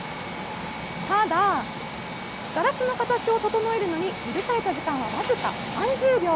ただ、ガラスの形を整えるのに許された時間は僅か３０秒。